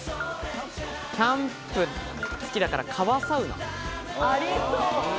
キャンプ好きだから川サウナ。